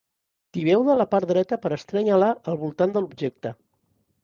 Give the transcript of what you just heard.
Tibeu de la part dreta per estrènyer-la al voltant de l'objecte.